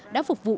đã phục vụ